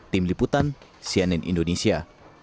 tim liputan cnn indonesia